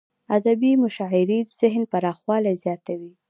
ادبي مشاعريد ذهن پراخوالی زیاتوي.